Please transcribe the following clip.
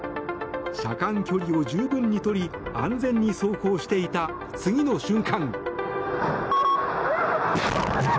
車間距離を十分にとり安全に走行していた次の瞬間。